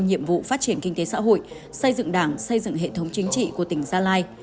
nhiệm vụ phát triển kinh tế xã hội xây dựng đảng xây dựng hệ thống chính trị của tỉnh gia lai